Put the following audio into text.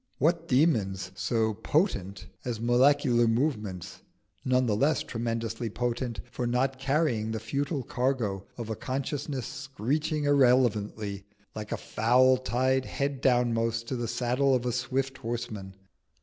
What demons so potent as molecular movements, none the less tremendously potent for not carrying the futile cargo of a consciousness screeching irrelevantly, like a fowl tied head downmost to the saddle of a swift horseman?